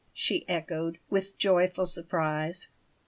she echoed, with joyful surprise.